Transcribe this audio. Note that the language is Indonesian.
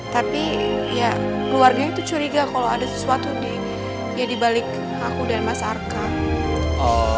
tapi ya keluarganya itu curiga kalau ada sesuatu ya di balik aku dan mas arkan